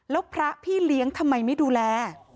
แล้วพระพี่เลี้ยงทำไมไม่ดูแล